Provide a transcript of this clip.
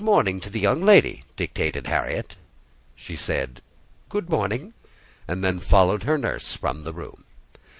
"Say good morning to the young lady," dictated Harriet. She said, "Good morning," and then followed her nurse from the room.